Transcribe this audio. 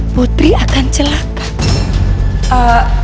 putri akan celaka